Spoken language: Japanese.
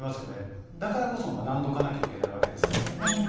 だからこそ学んどかなきゃいけないわけですもんね。